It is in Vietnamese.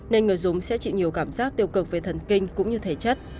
nên người dùng sẽ chịu nhiều cảm giác tiêu cực về thần kinh cũng như thể chất